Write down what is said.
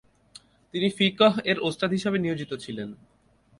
তিনি 'ফিকহ'-এর ওস্তাদ হিসেবে নিয়োজিত ছিলেন ।